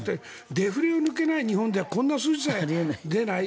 デフレが抜けない日本ではこんな数字さえ出ない。